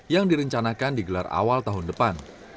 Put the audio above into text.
yang direncanakan digelar awal tahun depan